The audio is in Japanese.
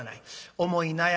思い悩む。